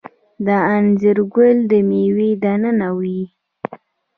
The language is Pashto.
د انځر ګل د میوې دننه وي؟